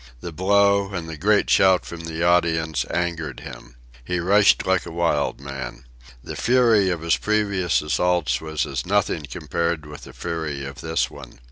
The blow, and the great shout from the audience, angered him. He rushed like a wild man. The fury of his previous assaults was as nothing compared with the fury of this one.